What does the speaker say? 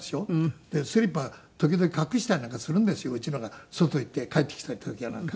時々隠したりなんかするんですようちのが外行って帰ってきた時やなんか。